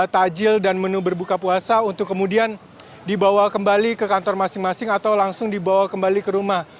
tajil dan menu berbuka puasa untuk kemudian dibawa kembali ke kantor masing masing atau langsung dibawa kembali ke rumah